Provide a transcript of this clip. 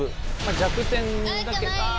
弱点だけど。